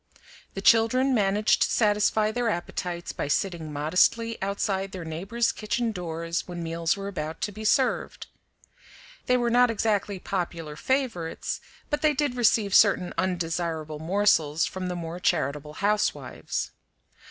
The children managed to satisfy their appetites by sitting modestly outside their neighbors' kitchen doors when meals were about to be served. They were not exactly popular favorites, but they did receive certain undesirable morsels from the more charitable housewives.